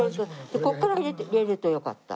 でここから入れるとよかった。